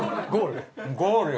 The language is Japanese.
ゴールよ